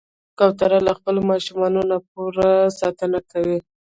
کوتره له خپلو ماشومانو نه پوره ساتنه کوي.